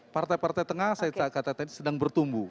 partai partai tengah saya katakan tadi sedang bertumbuh